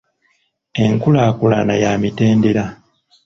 Enkulaakulana ya mitendera.